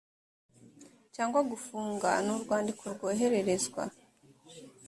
cyangwa gufunga ni urwandiko rwohererezwa